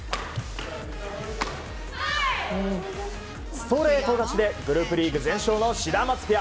ストレート勝ちでグループリーグ全勝のシダマツペア。